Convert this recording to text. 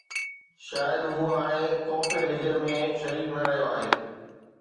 شايد هو هاڻي ڪوف ِ حجر ۾ شريڪ نه رهيو آهي